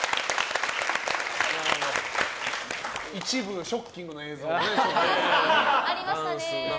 一部、ショッキングな映像がねありましたけどね。